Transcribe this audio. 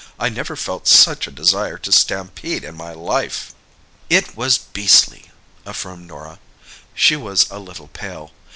"I never felt such a desire to stampede in my life." "It was beastly," affirmed Norah. She was a little pale.